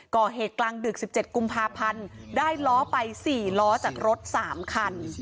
ก่อเหตุกลางดึก๑๗กุมภาพันธ์ได้ล้อไป๔ล้อจากรถ๓คัน